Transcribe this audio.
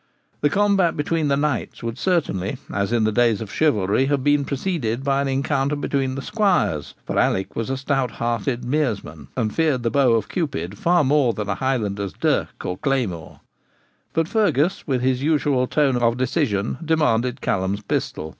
The combat between the knights would certainly, as in the days of chivalry, have been preceded by an encounter between the squires (for Alick was a stout hearted Merseman, and feared the bow of Cupid far more than a Highlander's dirk or claymore), but Fergus, with his usual tone of decision, demanded Callum's pistol.